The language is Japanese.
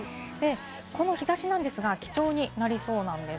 この日差しなんですが、貴重になりそうなんです。